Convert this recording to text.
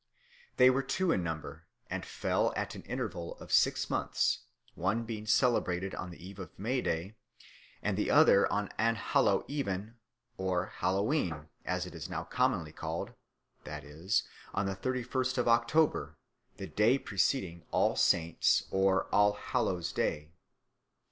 They were two in number, and fell at an interval of six months, one being celebrated on the eve of May Day and the other on Allhallow Even or Hallowe'en, as it is now commonly called, that is, on the thirty first of October, the day preceding All Saints' or Allhallows' Day.